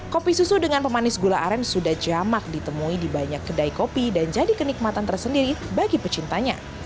kopi susu dengan pemanis gula aren sudah jamak ditemui di banyak kedai kopi dan jadi kenikmatan tersendiri bagi pecintanya